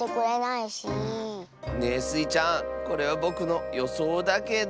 ねえスイちゃんこれはぼくのよそうだけど。